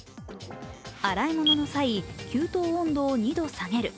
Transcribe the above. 洗い物の際、給湯温度を２度下げる。